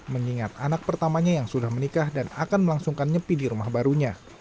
mengingat anak pertamanya yang sudah menikah dan akan melangsungkan nyepi di rumah barunya